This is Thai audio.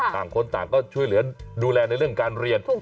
ต่างคนต่างก็ช่วยเหลือดูแลในเรื่องการเรียน